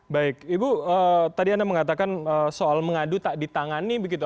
baik ibu tadi anda mengatakan soal mengadu tak ditangani begitu